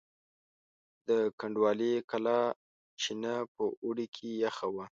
د کنډوالې کلا چینه په اوړي کې یخه وه.